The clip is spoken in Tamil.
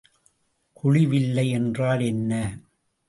குழிவில்லை என்றால் என்ன?